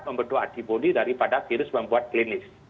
membentuk antibody daripada virus membuat klinis